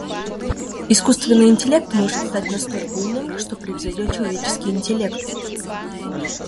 Искусственный интеллект может стать настолько умным, что превзойдет человеческий интеллект.